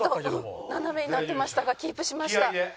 ちょっと斜めになってましたがキープしました。